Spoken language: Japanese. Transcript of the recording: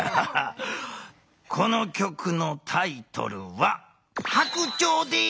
この曲のタイトルは「白鳥」です！